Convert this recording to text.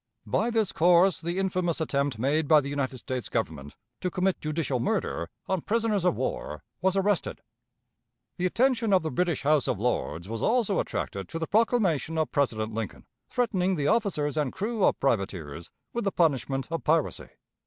By this course the infamous attempt made by the United States Government to commit judicial murder on prisoners of war was arrested. The attention of the British House of Lords was also attracted to the proclamation of President Lincoln, threatening the officers and crew of privateers with the punishment of piracy.